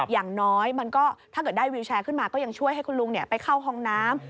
อย่างน้อยมันก็ถ้าเกิดได้วิวแชร์ขึ้นมาก็ยังช่วยให้คุณลุงไปเข้าห้องน้ำ